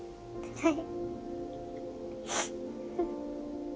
はい。